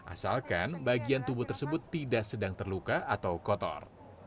asalkan bagian tubuh tersebut tidak sedang terluka atau kotor